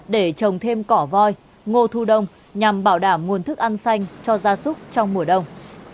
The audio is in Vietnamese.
để trồng thêm cỏ voi ngô thu đông nhằm bảo đảm nguồn thức ăn xanh cho gia súc trong mùa đông